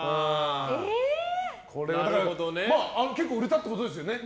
結構売れたってことですよね。